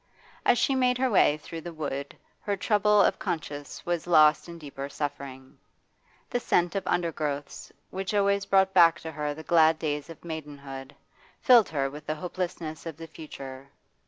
As she made her way through the wood her trouble of conscience was lost in deeper suffering. The scent of undergrowths, which always brought back to her the glad days of maidenhood, filled her with the hopelessness of the future.